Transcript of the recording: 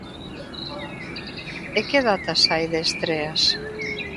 E que datas hai de estreas?